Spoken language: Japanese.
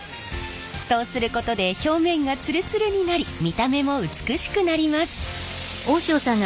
そうすることで表面がツルツルになり見た目も美しくなります。